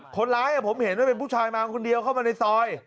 คนร้ายผมเห็นว่าเป็นผู้ชายมาคนเดียวเข้ามาในซอย